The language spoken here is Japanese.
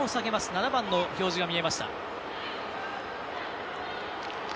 ７番の表示が見えました。